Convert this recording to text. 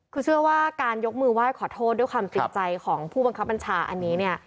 คือเชื่อว่าการยกมือไหว้ขอโทษด้วยความติดใจของผู้บังคับบัญชาอันนี้เนี่ย